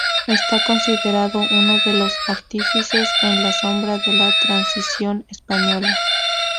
Está considerado uno de los artífices en la sombra de la Transición Española.